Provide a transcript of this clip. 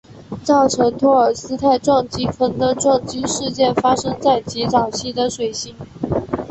造成托尔斯泰撞击坑的撞击事件发生在极早期的水星。